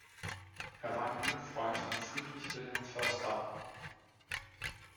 Er war ein enger Freund von Friedrich Wilhelm Foerster.